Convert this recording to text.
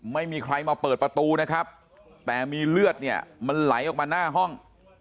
ไม่มีใครมาเปิดประตูนะครับแต่มีเลือดเนี่ยมันไหลออกมาหน้าห้อง